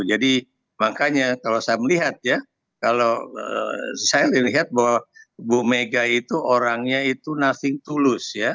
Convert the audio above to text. jadi makanya kalau saya melihat ya kalau saya melihat bahwa ibu megawati itu orangnya itu nothing to lose ya